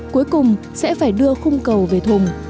cuối cùng sẽ phải đưa khung cầu về thùng